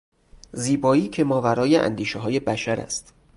زیبایی که ماورای اندیشههای بشر است